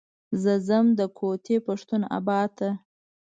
زه ځم د کوتي پښتون اباد ته.